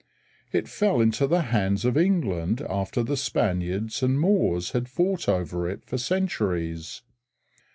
It fell into the hands of England after the Spaniards and Moors had fought over it for centuries.